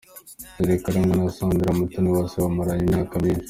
Jules Karangwa na Sandra Mutoniwase bamaranye imyaka myinshi.